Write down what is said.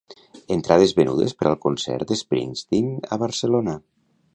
Entrades venudes per al concert de Springsteen a Barcelona.